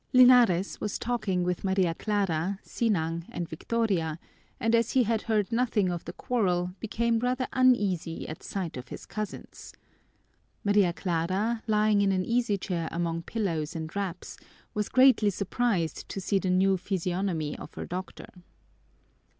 Linares was talking with Maria Clara, Sinang, and Victoria, and as he had heard nothing of the quarrel, became rather uneasy at sight of his cousins. Maria Clara, lying in an easy chair among pillows and wraps, was greatly surprised to see the new physiognomy of her doctor.